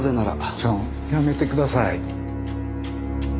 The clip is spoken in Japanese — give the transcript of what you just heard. ちょやめてください。